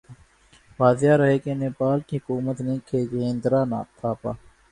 واضح رہے کہ نیپال کی حکومت نے کھجیندرا تھاپا